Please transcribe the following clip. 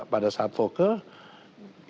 pada saat fokus